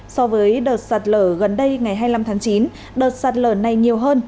so với đợt sạt lở gần đây ngày hai mươi năm tháng chín đợt sạt lở này nhiều hơn